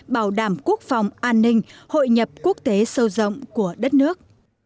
bảo đảm quốc phòng an ninh hội nhập quốc tế sâu rộng của đất nước